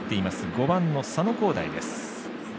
５番の佐野皓大です。